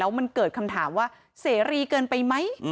มันเกิดคำถามว่าเสรีเกินไปไหม